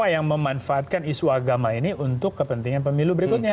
yang memanfaatkan isu agama ini untuk kepentingan pemilu berikutnya